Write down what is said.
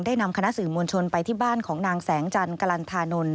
นำคณะสื่อมวลชนไปที่บ้านของนางแสงจันทร์กลันธานนท์